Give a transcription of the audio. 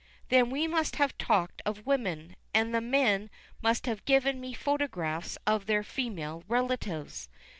Then we must have talked of women, and the men must have given me photographs of their female relatives.